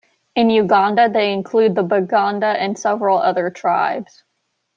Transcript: In Uganda, they include the Baganda and several other tribes.